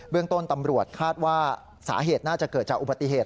เรื่องต้นตำรวจคาดว่าสาเหตุน่าจะเกิดจากอุบัติเหตุ